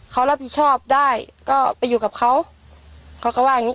เขารับผิดชอบได้ก็ไปอยู่กับเขาเขาก็ว่าอย่างงี